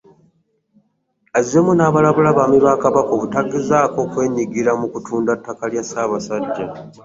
Azzeemu n'alabula abaami ba Kabaka obutagezaako kwenyigira mu kutunda ttaka lya Ssaabasajja.